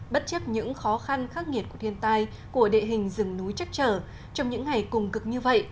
bất chấp những khó khăn khắc nghiệt của thiên tai của địa hình rừng núi chắc chở trong những ngày cùng cực như vậy